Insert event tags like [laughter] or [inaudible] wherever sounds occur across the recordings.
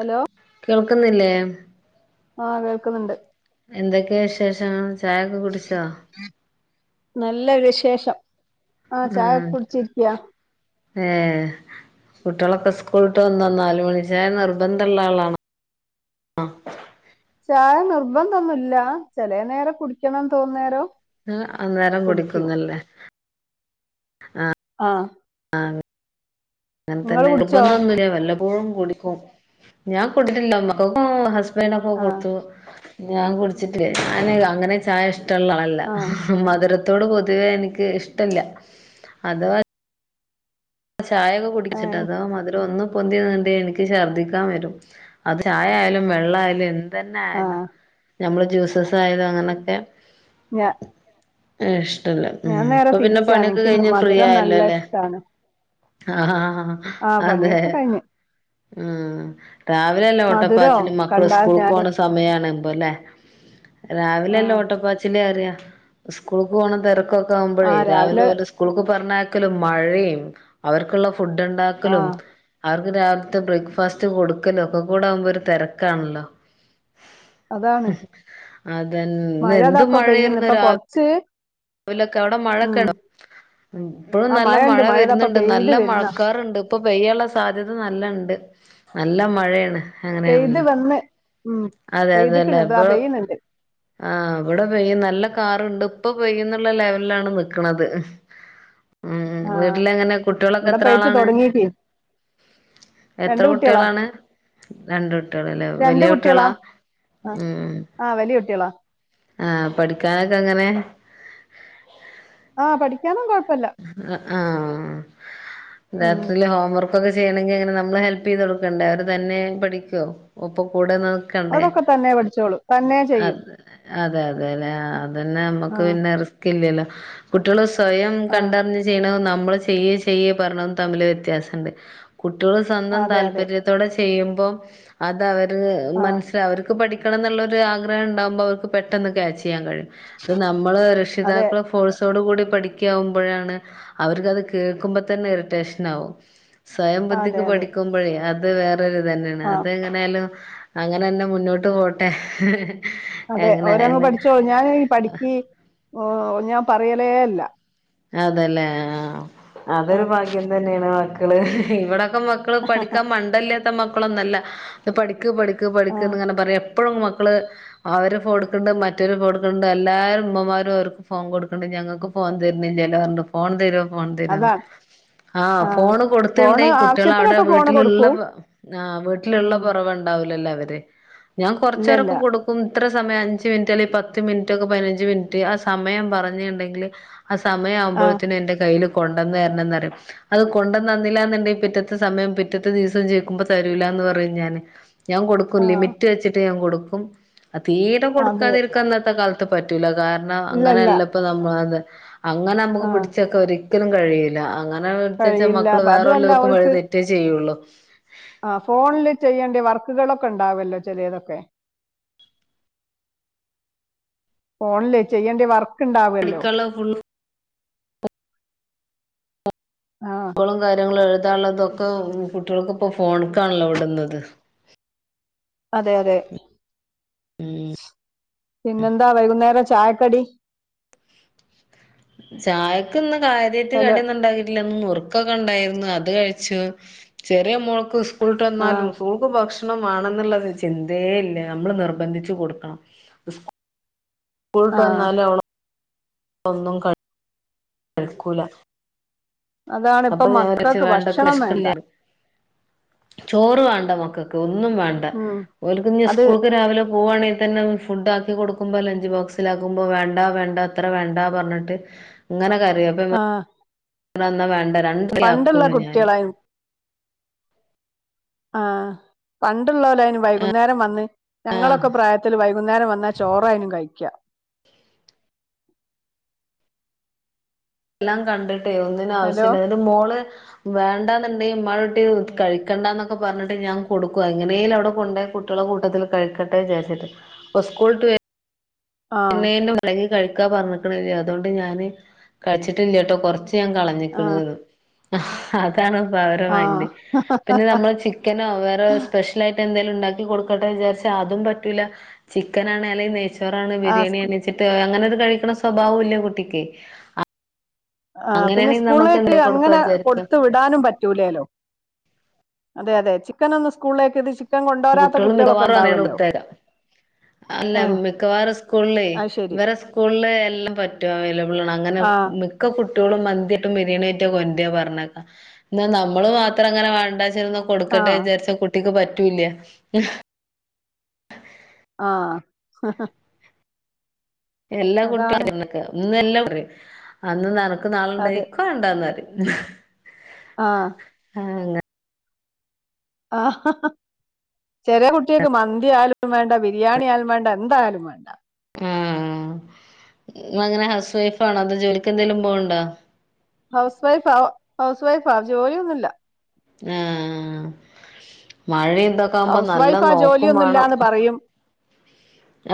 Hello. കേൾക്ക്ന്നില്ലേ? ആഹ് കേൾക്ക്ന്ന്ണ്ട്. എന്തൊക്കെ വിശേഷം ചായക്കെ കുടിച്ചോ? ന്നല്ല വിശേഷം ആഹ് ചായക്കേ കുടിച്ചിരിക്കാ. ഏ കുട്ടികളൊക്കെ സ്കൂളിട്ട് വന്നോ നാല് മണിച്ചായ നിർബന്ധമുള്ളള്ള ആളാണോ? ആഹ്. ചായ നിർബന്ധൊന്നുമല്ല ചെല നേര കുടിക്കണംന്ന് തോന്നുന്നരോ. ആ അന്നേരം കുടിക്കുന്നല്ലേ ആഹ്. ആഹ്. അഹ്. അങ്ങനെ നിങ്ങള് തന്നെ കുടിച്ചോ നിർബന്ധംന്നുംഞ വല്ലപ്പോഴും കുടിക്കും ഞാൻ കുടിച്ചിട്ടില്ല മക്കക്കും ഹുസ്ബന് അപ്പേനൊക്ക ആഹ് കൊടുത്തു ഞാൻ കുടിച്ചില്ല ഞാന് അങ്ങനെ ചായ ഇഷ്ടമുള്ള ആളല്ല. ആഹ് മധുരത്തോട് പൊതുവേ എനിക്ക് ഇഷ്ടമല്ല അതവാ ചായയൊക്കെ കുടിച്ചിട്ട് ഏഹ് അതോ മതിരൊന്നും. പൊന്തിയണ്ട് എനിക്ക് ഛർദിക്കാൻ വരും അത് ചായായാലും വെള്ള ആയാലും എന്തായാലും. അതന്നെ ആയാലും ആഹ് നഞമ്മള് ജ്യൂസസ് ആയത് അങ്ങനൊക്കെ. ഞാ ഇഷ്ടല്ല ഉ ഞാൻ നേരെ ഇപ്പൊ പിന്നെ തിരിച്ചാണ് പണിയൊക്കെ എനിക്ക് കഴിഞ്ഞ ഫ്രീ മധുരം ആയല്ലോ നല്ല അല്ലെ ആഹ ഹാ ആഹ് ആ പണിയൊക്കെ കഴിഞ്ഞു മ്മ് രാവിലെല്ലേ മധുരോ ഓട്ടപ്പാച്ചിൽ മക്കള് കണ്ടാൽ സ്കൂൾക്ക് ഞാന് പോകണ സമയാണുമ്പല്ലേ രാവിലെല്ലേ ആഹ് ഓട്ടപ്പാച്ചില അറിയാ സ്കൂളക്ക് പോണ തിരക്കൊക്കെ ആകുമ്പോഴേ രാവിലെ ഓല- സ്കൂൾക്ക് പറഞ്ഞാക്കലും മഴയും അവർക്കുള്ള ഫുഡ് ഉണ്ടാക്കലും ആഹ് അവർ രാവിലത്തെ ബ്രേക്ക്ഫാസ്റ്റ് കൊടുക്കല്ലോ ഒക്കെ കൂടെ ആവുമ്പോ ഒരു തിരക്കാണല്ലോ അതാണ് അതന്ന ഇന്ന് എന്ത് മഴയിരുന്നെ രാവി- ച് രാവിലൊക്കെ അവിടെ മഴക്കെണ്ടോ ഇപ്പഴും ആഹ് നല്ല മഴണ്ട് മഴ മഴതാ ഇപ്പൊ വരുന്നുണ്ട് പെയ്ത് നല്ല വരുന്ന മഴക്കാറണ്ട് ഇപ്പൊ പെയ്യാനുള്ള സാധ്യത നല്ല ഉണ്ട് നല്ല മഴയാണ് പെയ്ത് അങ്ങനെയാണല്ലോ വന്ന് ഉം അതെ അതെല്ലേ പെയ്ത്ക്ക്ണ് ഇതാ ഇപ്പൊ പെയ്യുന്നുണ്ട് ആ ഇവിടെ പെയ്യും നല്ല കാറുണ്ട് ഇപ്പൊ പൈ്യന്നുള്ള ലെവലിലാണ് നിക്കണത് ഉം ആഹ് വീട്ടില എങ്ങനെ കുട്ടികളൊക്കെ ഇവിടെ എത്ര പെയ്ത്ത് ആളാണ് തുടങ്ങീക്ക് എത്ര രണ്ട് കുട്ടികളാ കുട്ടികളാണ് രണ്ട് കുട്ടികള അല്ലേ വലിയ കുട്ടികളാ ആ ഉം ആഹ് വലിയ കുട്ടികളാ ആഹ് പഠിക്കാനൊക്കെ അങ്ങനെ ആഹ് പഠിക്കാനന്നും കുഴപ്പല്ല ആഹ് ഉം രാത്രിൽ ഹോംവർക്ക്- ഒക്കൊക്കെ ചെയ്യണമെങ്കിൽ അങ്ങനെ നമ്മള് ഹെൽപ് ചെയ്ത കൊടുക്കണ്ടേ അവര് തന്നെ പഠിക്കോ ഒപ്പ കൂടെ നിക്കണ്ടേ അതൊക്കെ തന്നെ പഠിച്ചോളും തന്നെ ചെയ്യും അത് അതെ അതെല്ലെ അതന്നെ നമ്മക്ക് ആഹ് പിന്നെ റിസ്ക് ഇല്ലല്ലോ കുട്ടികള് സ്വയം ആഹ് കണ്ടറിഞ്ഞ് ചെയ്യണ നമ്മള് ചെയ്യേ ചെയ്യേ പറയണതും തമ്മില് വ്യത്യാസണ്ട് കുട്ടികൾ സ്വന്തം അതെ അതെ താല്പര്യത്തോടെ ചെയ്യുമ്പോം അതവര് ആഹ് മനസ്- അവർക്ക് പഠിക്കണം എന്നുള്ള ആഗ്രഹം ഉണ്ടാവുമ്പോ അവർക്ക് പെട്ടെന്ന് ക്യാച്ച് ചെയ്യാൻ കഴിയും ഇത്- നമ്മള് അതെ രക്ഷിതാക്കളും ഫോഴ്സോട് കൂടി പഠിക്കാവുമ്പോഴാണ് അവർക്കത് കേൾക്കുമ്പോ തന്നെ ഇറിറ്റേഷൻ ആകും സ്വയം അതെ ബുദ്ധിക്ക് അതെ പഠിക്കുമ്പോഴേ അത് വേറൊരു തന്നെയാണ് ആഹ് അതെ- ങ്ങനേലും അങ്ങനെ തന്നെ മുന്നോട്ട് പോട്ടെ അതെ ഒരങ്ങ് എങ്ങനായാലും പഠിച്ചോളു ഞാൻ ഈ പഠിക്ക് ഞാൻ പറയലേ ഇല്ല അതല്ലേ ആ അതൊരു ആഹ് ഭാഗ്യം തന്നെയാണ് മക്കള് ഇവടൊക്കെ മക് ക്കൾ പഠിക്കാൻ മണ്ടല്ലാത്ത മക്കളൊന്നല്ല ഇത് പഠിക്ക് പഠിക്ക് ആഹ് പഠിക്കന്ന്ങ്ങനെ പറയാ. പ്പളും മക്കള് അവര് ഫോൺ ഇട്ക്ക്ണ്ട് മറ്റൊര് ഫോൺ ഇട്ക്ക്ണ്ട് എല്ലാരും ഉമ്മമാരും ഓർക്ക് ഫോൺ കൊടുക്ക്ണ്ട് ഞങ്ങക്ക് ഫോൺ തര്ന്നില്ലല്ലോ ർഞ്ഞ് ഫോൺ തരോ ഫോൺ തരോന്ന് അതാണ് ആ ആഹ് ഫോണ് കൊടുത്ത്ണ്ടെ ഫോണ് കുട്ട്യള അഒടെ ആവശ്യത്തിനൊക്കെ ഫോണ് വീട്ടില്ള്ള കൊടുക്കും ആ വീട്ട്ല്ള്ള ഉം കൊറവ്ണ്ടാവുലല്ലോ അവര് ഞാൻ ഇല്ലല്ല കൊർച്ചേരൊക്കെ കൊടു ക്കും ഇത്ര സമയം അഞ്ച് മിൻറ്റ് അല്ലെ പത്ത് മിൻറ്റ് ഒക്കെ പതിനഞ്ച് മിൻറ്റ് ആ സമയം പറഞ്ഞീണ്ടെങ്കില് ആ സമയം ആഹ് ആവുമ്പോയേത്ത്ന് എൻ്റെ കയ്യിൽ കൊണ്ടന്ന് തര്ണംന്ന് പറയും. അഹ് കൊണ്ടന്നന്നില്ലാന്ന്ണ്ടെ പിറ്റത്തെ സമയം പിറ്റത്തെ ദിവസം ചോയിക്കുമ്പം തരൂലാന്ന് പറയും ഞാന്. ഞാൻ കൊടുക്കും ആഹ് ലിമിറ്റ് വെച്ചിട്ട് ഞാൻ കൊടുക്കും അ തീരെ അതെ കൊടുക്കാതിരിക്കാ അന്നത്തെ കാല പറ്റൂല കാരണം ഇല്ലല്ല അങ്ങനെയല്ല പ്പ നമ്മള് അതെ അങ്ങനെ നന്മക്ക് ആഹ് പിടിച്ചൊക്കെ ഒരിക്കലും കഴിയി ല്ല അങ്ങനെ പിടിച്ചു വച്ചാ കഴിയില്ല മക്കള് അപ്പ അതും അല്ല വേറെല്ലോക്കും ഓൽക്ക് വഴി തെറ്റേ ചെയ്യുള്ളു. ആ ഫോണില് ചെയ്യേണ്ട വർക്കുകളൊക്കെ ഉണ്ടാവല്ലോ ചെലേതൊക്കെ? ഫോൺല് ചെയ്യേണ്ട്യ വർ പഠിക്കാള്ള ഫുള്ള് ആ [unintelligible] കാര്യങ്ങളും എഴുതാള്ളതൊക്കെ കുട്ട്യൾക്ക് പ്പോ ഫോൺക്കാണല്ലോ ഇടുന്നത്. അതെ അതെ ഉം പിന്നെന്താ വൈകുന്നേരം ചായക്കടി? ചായക്ക്ന്ന് കാര്യായിട്ട് ഹലോ കടിഒന്ന് ഇണ്ടാക്കിട്ടില്ല ന്നുർ കൊക്കെ ഇണ്ടായിരുന്ന് അത് കഴിച്ച് ചെറിയ മോൾക്ക് സ്കൂള്ട്ട് ആ വന്നാലു സു പ്പൊ ഭക്ഷണം വാണന്ന്ള്ളരു ചിന്തേ ഇല്ല നമ്മള് നിർബന്ധിച്ച് കൊടുക്കണം. സ്കൂള്ട്ട് ആ വന്നാലോ [unintelligible] ഒന്നും ക കഴിക്കൂല അതാണ് അപ്പ ഇപ്പൊ ഞാൻ മക്കൾക്ക് ഒരൊച്ചപ്പാട് ഇണ്ടാക്കും ഭക്ഷണം വേണ്ട വെഷക്ക്ണ്ല്ലേ ർഞ്ഞ്. ചോറ് വാണ്ട മക്കൾക്ക് ഒന്നും വാണ്ട ഉം ഓൽക്ക് ഇഞ്ഞ് അത് സ്കൂൾക്ക് രാവിലെ പോവാണേ തന്നെ ഫുഡ് ആക്കി കൊടുക്കുമ്പോ ലഞ്ച് ബോക്സില ആക്കുമ്പോ വേണ്ട വേണ്ട അത്ര വേണ്ട പർഞ്ഞിട്ട് ഇങ്ങനെ കരയും ആഹ് [unintelligible] ആക്കുള്ളൂ ഞാന് കുട്ടികളായും ആ പണ്ട്ള്ളോലയ്ന് വൈകുന്നേരം വന്ന് ആഹ് ഞങ്ങളൊക്കെ പ്രായ ത്തിൽ വൈകുന്നേരം വന്നാ ചോറായ്നും കഴിക്ക. എല്ലാം കണ്ട്ട്ടേ ഒന്നിനും ഹലോ ആവശ്യല്ല അതിന്റെ മോള് വേണ്ടാന്ന്ണ്ടെങ്കി ഇമ്മാളെകുട്ടി കഴിക്കണ്ടാന്നൊക്കെ പർഞ്ഞിട്ട് ഞാൻ കൊടുക്കു എങ്ങനെലും അഒടെ കൊണ്ടയ കൊട് കുട്ട്യളെ കൂട്ടത്തില് കഴിക്കട്ടെ വിചാര്ച്ചിട്ട് അപ്പോ സ്കൂള്ട്ട് വെ ആ പിന്നെ [unintelligible] കഴിക്കാ പർഞ്ഞ്ക്ക്ണില്ല അതോണ്ട് ഞാന് കഴിച്ചിട്ടില്ലട്ടോ കൊർച്ച് [unintelligible] ആ കളഞ്ഞിക്ക്ണ് അതാണ് പ അവരെ ആ മൈൻഡ് പിന്നെ നമ്മള് ചി ചിക്കനോ വേറെ സ്പെഷ്യൽ ആയിട്ട് എന്തേലും ഇണ്ടാക്കി കൊടുക്കട്ടെ വിചാരിച്ചാ അതും പറ്റൂല. ചിക്കനാണ് അല്ലെങ്കിൽ നെയ്ച്ചോറാണ് ആ സ്കൂ- ബിരിയാണിണ്ച്ചിട്ട് അങ്ങനെ ഒരു കഴിക്ക്ണ സ്വഭാവം ഇല്ലേ കുട്ടിക്കേ. ആ പിന്നെ നമുക്ക് സ്കൂളിലേക്ക് എന്താക്കി കൊടുക്കാ അങ്ങനെ വിചാരിക്കാം കൊടുത്തു വി ടാനും പറ്റൂലേലോ അതെ അതെ ചിക്കനൊന്നും സ്കൂള്ലേക്ക് ഇത് ചി ക്കൻ കൊണ്ടോരാത്ത കുട്ടികള് കുട്ട്യളൊക്കെ മിക്കവാറും അങ്ങനെയാണ് ഇണ്ടാവല്ലോ. കൊടുത്തയക്ക അല്ല മിക്കവാറും സ്കൂള്ലേ അത് ശരി ഇവരെ സ്കൂള്ല് എല്ലം പറ്റും [unintelligible] അങ്ങനെ ആഹ് മ്ക്ക് ഒക്കെ കുട്ട്യളും മന്തിയായിട്ടും ബിരിയാണി ആയിട്ടും [unintelligible] പർഞ്ഞേക്കാ. ഇന്നാ നമ്മള് മാത്രം അങ്ങനെ വേണ്ടാച്ചിന്ന് കൊടുക്കട്ടെ ആഹ് വിചാരിച്ച കുട്ടിക്ക് പറ്റൂല്ല. ആ ആഹ് എല്ലാ കുട്ടി അതാണ് [unintelligible] ന്ന് എല്ലാ പറയും അന്ന് നനക്ക് നാള ഇണ്ടായി അതെ ഇക്ക് വേണ്ടാന്ന് പറയും ആഹ് ആ ഹ് അങ്ങ ആഹ ചെറിയ കുട്ടിയക്ക് മന്തിയാലും വേണ്ട ബിരിയാണി ആയാലും വേണ്ട എന്തായാലും വേണ്ട ആഹ് ങ്ങള് അങ്ങനെ ഹൗസ് വൈഫ് ആണോ എന്തെ ജോലിക്ക് എന്തേങ്കലും പോവണ്ടോ ഹൗസ് വൈഫ് ആ ഹൗസ് വൈഫ് ആ ജോലിയൊന്നുംുമല്ല ആഹ് മഴയും ഇതൊക്കെ ആകുമ്പോ ഹൗസ് നല്ലോം വൈഫാ നോക്കും വേണം ജോലിയൊന്നുമില്ലാന്ന് പറയും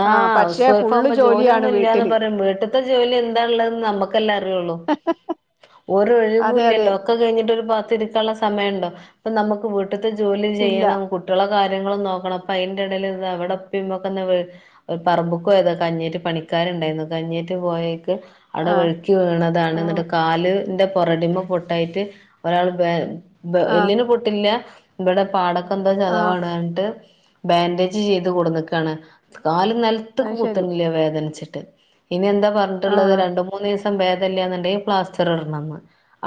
ആഹ് ഹൗസ് പക്ഷെ വൈഫ് ഫുള്ള് ആവുമ്പോ ജോലിയാണ് ജോലിയൊന്നും ഇല്ലന്ന് വീട്ടില് പറയും വീട്ടിത്തെ ജോലി എന്താ ഉള്ളത് ന്ന് നമുക്കല്ലെ അറിയുള്ളൂ ഒരു അതെ അതെ ഒഴിവൂലല്ലോ ഒക്കെ കഴിഞ്ഞിട്ട് ഒരു ഭാഗത്തിരിക്കാനുള്ള സമയണ്ടോ അപ്പൊ നമുക്ക് വീട്ടത്തെ ജോലി ഇല്ല ചെയ്യണം ട്ടാളെ കാര്യങ്ങളും നോക്കണം അപ്പം അതിൻ് ഇടയിൽ ഇത് അവിടെപ്പൊക്കെ ഒരു പറമ്പുക്ക് പോയതാ കഞ്ഞേറ്റ് പണിക്കാരുണ്ടായിരുന്നു കഞ്ഞേറ്റ് പോയേക്ക് അവിടെ ആഹ് വെഴുക്കി വീണതാണ് ആഹ് എന്നിട്ട് കാലിന്റെ പുൊറടിമ പൊട്ടായിട്ട് ഒരാൾ ആഹ് എല്ലിന് പൊട്ടില്ല ഇവിടെ പാടൊക്കെ എന്തോ ആഹ് ചതവാണ് പറഞ്ഞിട്ട് ബാൻഡേജ് ചെയ്ത് കൊടുുന്നക്കാണ് കാല് നിലത്തക്ക് അത് ശരി കൂത്തുന്നില്ല വേദനിച്ചിട്ട് ഇനി എന്താ പറഞ്ഞിട്ടുള്ളത് ആഹ് രണ്ട് മൂന്ന് ദിവസം ഭേദല്ലയാെന്നുണ്ടെങ്കിൽ പ്ലാസ്റ്റർ ഇടണംന്ന്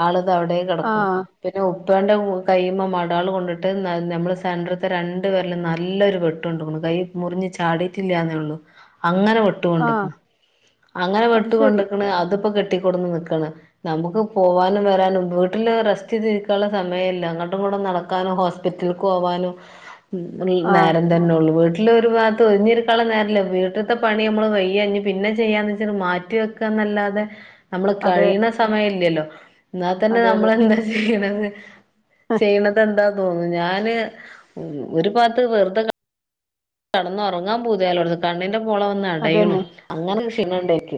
ആളിത് അവിടെ കിടക്കണു ആഹ് പിന്നെ ഉപ്പേൻ് കഴിയുമ്പോൾ മടകൾ കൊണ്ടിട്ട് നമ്മൾ സെൻററത്തെ രണ്ട് വെരെലും നല്ലൊരു വെട്ട് കൈ മുറിഞ് ചാടിയിട്ടില്ലന്നേ ഉള്ളൂ അങ്ങനെ വെട്ട് ട്ട് ആഹ് കൊണ്ട്ക്ക്ണ് അങ്ങനെ അത് വെട്ട് ശരി കൊണ്ട്ക്ക്ണ് അതിപ്പോ കെട്ടിക്കൊടുന്ന് നിക്കാണ്. നമുക്ക് പോവാനും വരാനും വീട്ടില് റെസ്റ്റ് തിരിക്കാനുള്ള സമയല്ല അങ്ങോട്ടും ഇങ്ങോട്ടും നടക്കാനും ഹോസ് - പ്പിറ്റൽ ക്ക് പോവാനും ആഹ് നേരം തന്നെള്ളൂ വീട്ടിൽ ഒരുപാകത്ത് ഒഴ്ഞ്ഞിര് - രിക്കാനുള്ള നേരല്ലാ വീട്ടിലത്തെ പണി നമ്മള് വയ്യ ഞ്ഞ് പിന്നെ ചെയ്യാന്ന് വെച്ചിട്ട മാറ്റി വെക്കാന്നല്ലാതെ നമ്മള് അതെ കഴിയണ സമയം ഇല്ലല്ലോ എന്നാൽ തന്നെ അതെ അതെ നമ്മളെന്താ ചെയ്യണത് ചെയ്യണത് എന്താ തോന്നും ഞാന് ഒരു ഭാത്ത് വെറുതെ ക- കടന്നുറങ്ങാൻ പൂതിയാലോട്ന്ന്. കണ്ണിന്റെ പോള വന്ന് അടയ്ണു. അതന്നെ അങ്ങനെ ക്ഷീണ ണ്ടനിക്ക്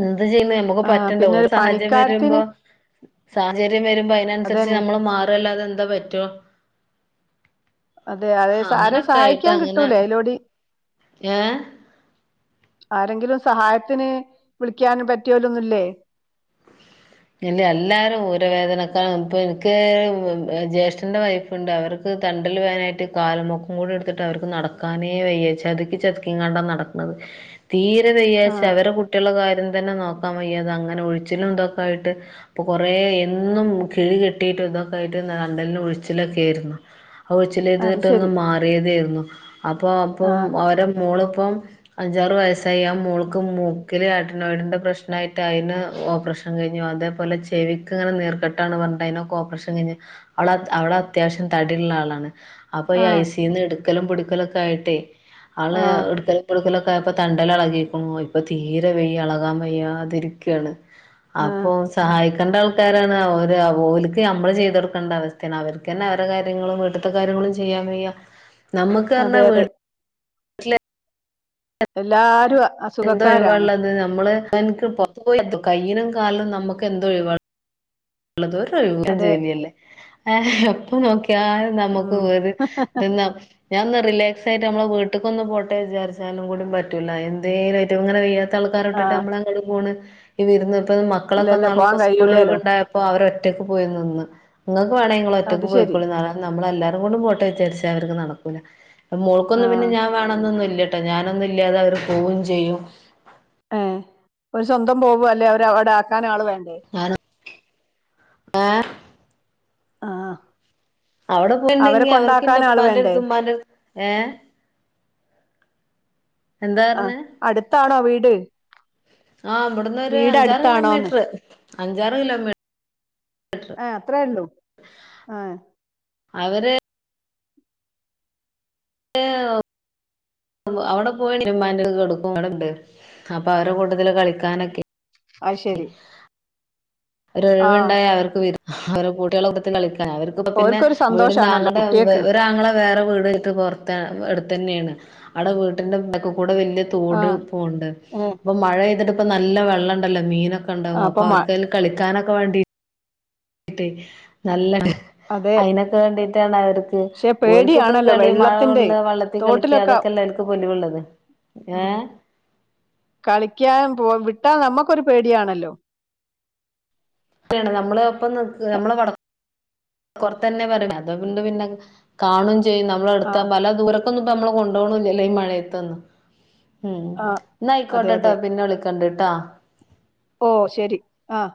എന്ത് ചെയ്യണ് നമുക്ക് ആ പറ്റണ്ടെ പിന്നെ ഒരു സാഹചര്യം വരുമ്പോ പണിക്കാരത്തിന് സാഹചര്യം വരുമ്പോ അതിനനുസരിച്ച് അതന്നെ നമ്മള് മാറല്ലാതെ എന്താ പറ്റോ അതെ അതെ ആരേം അങ്ങനൊക്കെ സഹായിക്കാൻ കിട്ടൂലേ അയ്ലോടി. ഏഹ് ആരെങ്കിലും സഹായത്തിന് വിളിക്കാനും പറ്റിയോലൊന്നുല്ലേ? ഇല്ല എല്ലാരും ഊരവേദനക്ക ഇപ്പ എനിക്ക് ജ്യേഷ്ഠന്റെ വൈഫ് ഇണ്ട് അവർക്ക് തണ്ടൽ വേദനായിട്ട് കാലമൊക്കം കൂടെ എടുത്തിട്ട് അവർക്ക് നടക്കാനേ വയ്യ ചതുക്കി ചതുക്കി - ങ്ങാണ്ട നടക്ണത് തീരെ ആ വയ്യാച്ച അവരുടെ കുട്ടിളെ കാര്യം തന്നെ നോക്കാൻ വയ്യാ അത് അങ്ങനെ ഉഴിച്ചിലും ഇന്തൊക്കെ ആയിട്ട് അപ്പൊ കൊറേ എന്നും കിഴി കെട്ടിയിട്ട് ഇതൊക്കെ ആയിട്ട് തണ്ടൽന് ഉഴിച്ചിലൊക്കെ ആയ്ര്ന്നു. അത് ഉഴിച്ചിലെതിട്ടൊന്ന് ശരി മാറിയതായിരുന്നു അപ്പൊ ആ അപ്പം ഓര മോളിപ്പം അഞ്ചാറ് വയസ്സായി ആ മോൾക്ക് മൂക്കില് ആട്ടിനോടിൻ്റെ പ്രശ്നായിട്ട് അയ്ന് ഓപ്പറേഷൻ ക്ഷൻ കഴിഞ്ഞ് അതേ പോലെ ചെവിക്ക് ഇങ്ങനെ നീർകെട്ടാണ് പറഞ്ഞിട്ട് അതിനൊക്ക ഓപ്പറേഷൻ കഴിഞ്ഞ് അവള അവള് അത്യാവശ്യം തടിള്ള ആളാണ്. അപ്പൊ ഈ ആ ഐ സിന്ന് എടുക്കലും പിടിക്കലൊക്കെ ആയിട്ടേ അവള് ആ എടുക്കല എടുക്കലൊക്കെ ആയപ്പ തണ്ടല് എളകിക്ക്ണു ഇപ്പൊ തീരെ വെയ്യ ഇളകാൻ വയ്യാതിരിക്കാണ് ആ അപ്പോ സഹായിക്കേണ്ട ആൾക്കാരാണ് അവര് ഓര്ക്ക് നമ്മള് ചെയ്ത് കൊടുക്കേണ്ട അവസ്ഥാണ് അവർക്കന്നെ അവരെ കാര്യങ്ങളും വീട് ത്തെ കാര്യങ്ങളും ചെയ്യാൻ വയ്യ നമ്മക്ക് അതെ പറഞ്ഞാ അതെ വീട്ടില് എല്ലാരും അ എന്ത്‌ ഒഴിവാ അസുഖക്കാരാണ് ഇള്ളത് നമ്മള് [unintelligible] കയ്യ്നും, കാൽനും നമ്മക്ക് എന്തോ ഒഴിവാ [unintelligible] അതെ എപ്പൊ നോക്കിയാലും നമ്മക്ക് ഉം [unintelligible] തിന്ന ഞാൻ ഒന്ന് റിലാക്സ് ആയിട്ട് നമ്മളെ വീട്ട്കോന്ന് പോട്ടെ വിചാരിച്ചാലും കൂടി പറ്റൂല്ല എന്തേലും അയ്റ്റ് ഇങ്ങനെ വയ്യ ത്താൾ ആ ക്കാരോട്ടിട്ട് നമ്മളങ്ങട് പോണ് ഈ വിരുന്ന് ഇപ്പ ഇല്ലല്ല മക്കളൊക്കെന്നാള് പോവാൻ സ്കൂള് കഴിയൂലേലോ ഒഴിവ്ണ്ടായ പ്പൊ അവരൊറ്റക്ക് പോയി നിന്ന് ഇങ്ങക്ക് വേണെങ്കി ഇങ്ങള് അത് ഒറ്റക്ക് ശരി പോയിക്കോളീന്ന് [unintelligible] നമ്മളെല്ലാരും കൂടെ പോട്ടെ വിചാരിച്ചാ അവർക്ക് നടക്കൂല ആ മോൾക്കൊന്നും പിന്നെ ഞാ ഞാൻ വേണന്നൊന്നും ഇല്ലട്ടോ ഞാനൊന്നും ഇല്ലാതെ അവര് പോകും ചെയ്യും ഏഹ് ഓര് സ്വന്തം പോവോ അല്ലേ അവര് അവിടെ ആക്കാന് ആള് വേണ്ടേ? [unintelligible] ആഹ് അവിടെ പോയ്ണ്ടെങ്കി അവർക്ക്ന്റെ ആള് വേണ്ടേ ഉപ്പാന്റട്തും ഉമ്മാന്റട്തും ഏഹ് എന്താ ആഹ് പറഞ്ഞ് അടുത്താണോ വീട്? ആഹ് ഇവടുന്ന് ഒരു വീട് അഞ്ചാറ് അടുത്താണോന്ന് കിലോമീറ്റർ അഞ്ചാറ് കിലോമീ ഏഹ് അത്ര ഒള്ളൂ ആഹ് അതന്നെ [unintelligible] [unintelligible] അപ്പൊ അവരെ കൂട്ടത്തില് കളിക്കാനൊക്കെ അയ്ശരി ഒര് ഒഴിവുണ്ടായ അവർക്ക് വിര് അവര് കൂട്ടികളൊടത്തി കളിക്കാനാ അവർ പിന്നെ ഓർക്കൊരു വീടിന്റെ സന്തോഷാണല്ലോ ആങ്ങൾന്റെ കുട്ടിയക്ക് ഒരാങ്ങള വേറെ വീട് ട് പൊർത്താന് എടുത്തന്നെണ് അവിടെ വീട്ടിന്റെ ബേക്കി കൂടെ വേര് ആ തോട് പോണ്ട് ഏ അപ്പൊ മഴപെയ്തിട്ട് ഇപ്പ നല്ല വെള്ളംണ്ടല്ലോ മീനൊക്കെ ആ, ഇണ്ടാവും അപ്പൊ മ അവർക്കയ്ല് കളിക്കാനൊക്കെ വാണ്ടി ട്ട് നല്ല അതെ ഐനൊക്കെ വേണ്ടിട്ടാണ് അവർക്ക് പക്ഷെ ഓൽക്ക്പ്പൊ പേടിയാണല്ലോ കളി മഴ വെള്ളത്തിന്റെ കൊള്ള, വെള്ളത്തി കളിക്ക തോട്ടിലൊക്കെ അതൊക്കെല്ലേ ഓൽക്ക് പൊലിവുള്ളത് ഉം ഏഹ് കളിക്കാൻ പോ വിട്ടാ നമ്മക്കൊരു പേടിയാണല്ലോ? ക്കാണ് നമ്മള് ഒപ്പം നിക്ക് നമ്മള് വ പൊർത്തന്നെ പറിം അതുകൊണ്ട് പിന്നെ അത് കാണും ചെയ്യും ന ആ മ്മളെട്ത്താവുമ്പം അല്ലാ ദൂരൊക്കൊന്നും അമ്മള് കൊണ്ടോണ്ല്ലല്ലോ ഈ മഴയത്തൊന്ന് ഉം ആ ഇന്നാ അതെ അയിക്കോട്ടെട്ടോ അതെ പിന്നെ വിളിക്കണ്ട്ട്ടോ? ഓഹ് ശരി ആഹ്